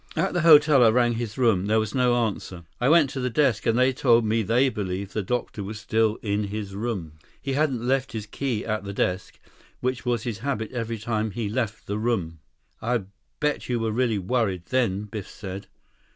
"At the hotel, I rang his room. There was no answer. I went to the desk, and they told me they believed the doctor was still in his room. He hadn't left his key at the desk, which was his habit every time he left the room." "I'll bet you were really worried then," Biff said.